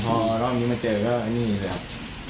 พอรอบนี้มาเจอก็นี่แหละ